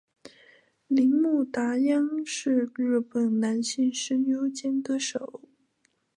铃木达央是日本的男性声优兼歌手。